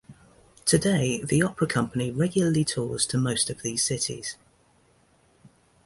Today, the Opera Company regularly tours to most of these cities.